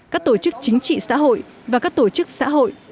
các tổ chức chính trị xã hội và các tổ chức xã hội